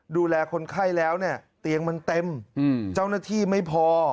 ดูแลคนไข้แล้วเนี่ยเตียงมันเต็มเจ้าหน้าที่ไม่พอ